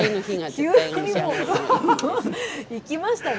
いきましたね。